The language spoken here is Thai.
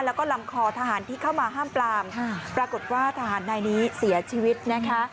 แล้วก็ลำคอทหารที่เข้ามาห้ามปลามปรากฏว่าทหารนายนี้เสียชีวิตนะคะ